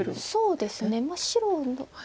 そうですねまあ白。